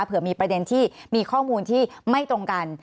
เผื่อมีประเด็นที่มีข้อมูลที่ไม่ตรงกัน